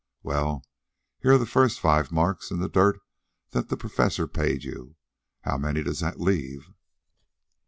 "Well, here are the first five marks in the dirt that the Professor paid you. How many does that leave?"